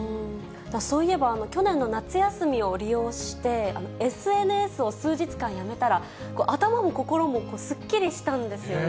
そういえば、去年の夏休みを利用して、ＳＮＳを数日間やめたら、頭も心もすっきりしたんですよね。